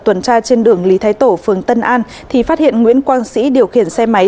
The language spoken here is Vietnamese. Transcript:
tuần tra trên đường lý thái tổ phường tân an thì phát hiện nguyễn quang sĩ điều khiển xe máy